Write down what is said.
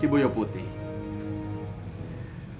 kibuyo putih adalah penekar yang hebat